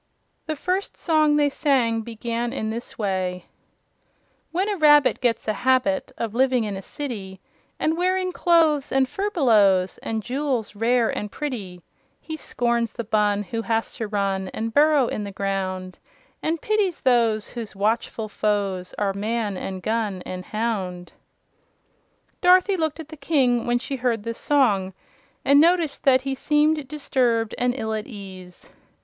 The first song they sang began in this way: "When a rabbit gets a habit Of living in a city And wearing clothes and furbelows And jewels rare and pretty, He scorns the Bun who has to run And burrow in the ground And pities those whose watchful foes Are man and gun and hound." Dorothy looked at the King when she heard this song and noticed that he seemed disturbed and ill at ease.